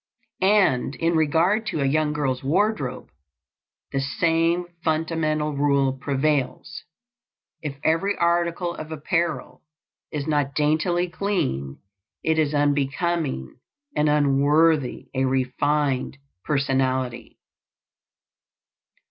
And in regard to a young girl's wardrobe, the same fundamental rule prevails: if every article of apparel is not daintily clean, it is unbecoming and unworthy a refined personality.